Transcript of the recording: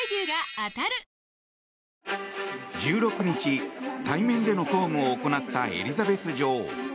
１６日、対面での公務を行ったエリザベス女王。